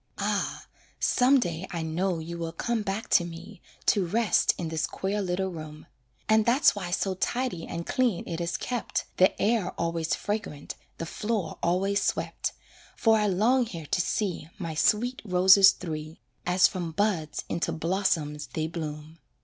Ah! some day I know you will come back to me To rest in this queer little room; And that's why so tidy and clean it is kept, The air always fragrant, the floor always swept, For I long here to see My sweet roses three, As from buds into blossoms they bloom.